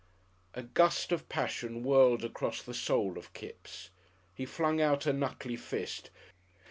A gust of passion whirled across the soul of Kipps. He flung out a knuckly fist.